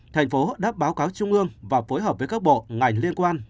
thành phố đã báo cáo trung ương và phối hợp với các bộ ngành liên quan